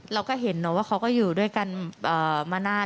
เราก็เห็นว่าเขาก็อยู่ด้วยกันมานาน